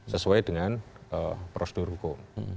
sesuai dengan prosedur hukum